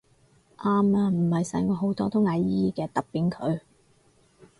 啱啊唔係細我好多都嗌姨姨嘅揼扁佢